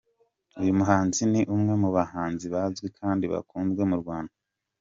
Uyu muhanzi ni umwe mu bahanzi bazwi kandi bakunzwe mu Rwanda.